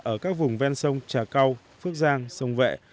ở các vùng ven sông trà cao phước giang sông vệ